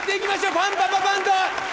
パンパカパンと！